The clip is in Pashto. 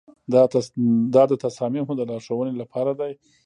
دا د تصامیمو د لارښوونې لپاره دی.